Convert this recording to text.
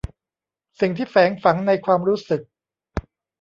สิ่งที่แฝงฝังในความรู้สึก